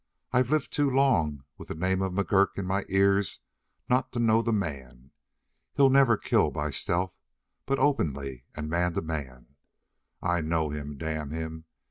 "I've lived too long with the name of McGurk in my ears not to know the man. He'll never kill by stealth, but openly and man to man. I know him, damn him.